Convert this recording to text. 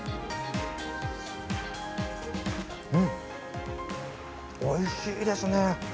うん、おいしいですね。